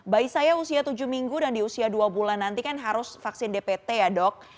bayi saya usia tujuh minggu dan di usia dua bulan nanti kan harus vaksin dpt ya dok